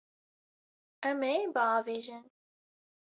Em ê biavêjin.